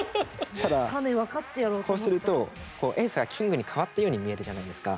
ただこうするとエースがキングに変わったように見えるじゃないですか。